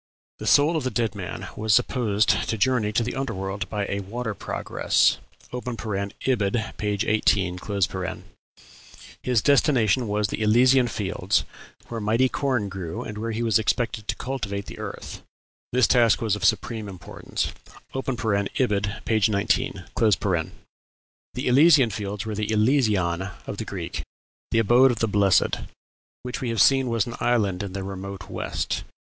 The soul of the dead man was supposed to journey to the under world by "a water progress" (Ibid., p. 18), his destination was the Elysian Fields, where mighty corn grew, and where he was expected to cultivate the earth; "this task was of supreme importance." (Ibid., p. 19.) The Elysian Fields were the "Elysion" of the Greeks, the abode of the blessed, which we have seen was an island in the remote west.